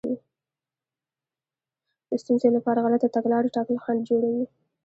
د ستونزې لپاره غلطه تګلاره ټاکل خنډ جوړوي.